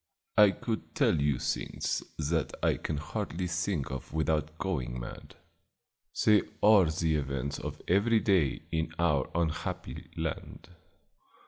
I could tell you things that I can hardly think of without going mad; they are the events of every day in our unhappy land.